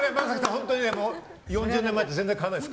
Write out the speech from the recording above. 本当に４０年前と変わらないです。